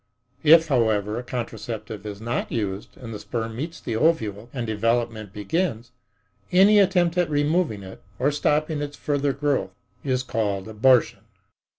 If, however, a contraceptive is not used and the sperm meets the ovule and development begins, any attempt at removing it or stopping its further growth is called abortion.